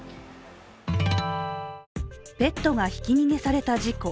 ペットがひき逃げされた事故。